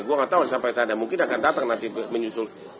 ya saya gak tau sampai saat mana mungkin akan datang nanti menyusul